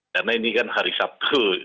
karena ini kan hari sabtu